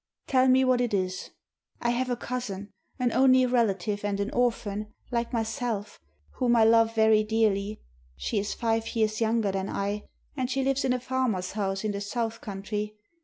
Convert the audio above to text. "Tell me what it is." "I have a cousin, an only relative and an orphan, like myself, whom I love very dearly. She is five years younger than I, and she lives in a farmer's house in the south country.